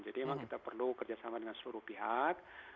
jadi memang kita perlu kerjasama dengan seluruh pihak